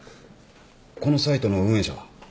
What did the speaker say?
このサイトの運営者は？